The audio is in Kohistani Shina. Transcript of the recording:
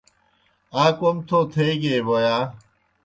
آ کوْم تھو تھیگیئی بوْ یا؟